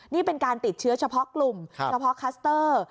นี่เป็นการติดเชื้อเฉพาะกลุ่มเฉพาะคัสเตอร์